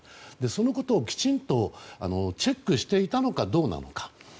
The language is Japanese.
そのことをきちんとチェックしてたのかどうなのか。